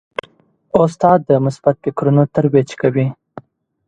استاد د مثبت فکرونو ترویج کوي.